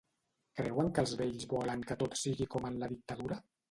Creuen que els vells volen que tot sigui com en la Dictadura?